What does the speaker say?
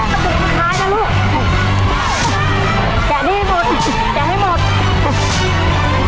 แก่ที่ให้หมดแก่ให้หมด